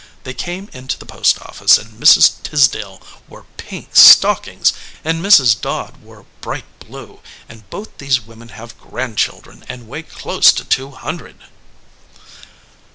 They came into the post office, and Mrs. Tisdale wore pink stockings, and Mrs. Dodd wore bright blue, and both those women have grandchildren and weigh close to two hundred."